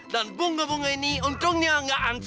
dan bunga bunga ini untungnya nggak hancur